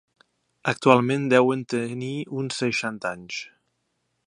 Actualment deuen tenir uns seixanta anys.